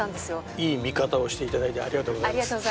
いい見方をしていただいてあありがとうございます。